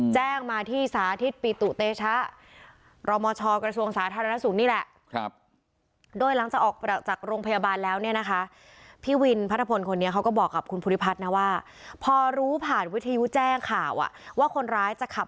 แจ้งมาที่สาธิตปิตุเตชะรมชกระทรวงศาสตร์ธรรมนักศูนย์นี่แหละ